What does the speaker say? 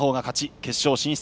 決勝進出。